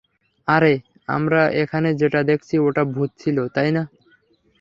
আরে, আমরা ওখানে যেটা দেখেছি ওটা ভূত ছিল, তাই না?